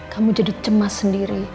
kamu jadi cemas sendiri